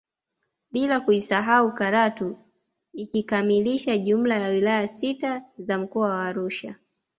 Bila kuisahau Karatu ikikamilisha jumla ya wilaya sita za mkoa wa Arusha